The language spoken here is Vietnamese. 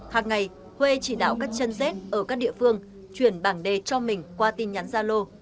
hàng ngày huê chỉ đạo các chân dết ở các địa phương chuyển bảng đề cho mình qua tin nhắn gia lô